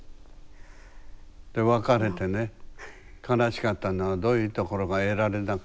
で別れてね悲しかったのはどういうところが得られなくなったから悲しいって。